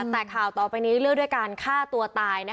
แต่ข่าวต่อไปนี้เลือกด้วยการฆ่าตัวตาย